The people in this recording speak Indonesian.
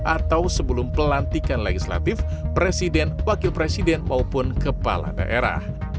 atau sebelum pelantikan legislatif presiden wakil presiden maupun kepala daerah